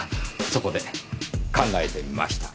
そこで考えてみました。